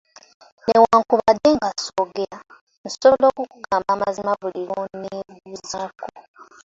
Newankubadde nga ssoogera, nsobola okukugamba amazima buli lw’onneebuuzaako.